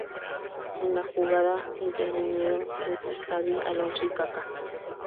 En la jugada intervinieron Guti, Xabi Alonso y Kaká.